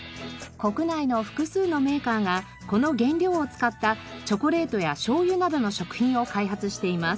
国内の複数のメーカーがこの原料を使ったチョコレートや醤油などの食品を開発しています。